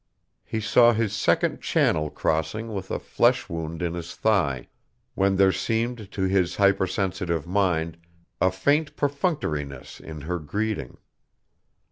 He saw his second Channel crossing with a flesh wound in his thigh, when there seemed to his hyper sensitive mind a faint perfunctoriness in her greeting.